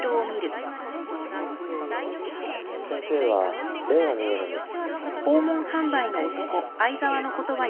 先生は霊が見えるんです。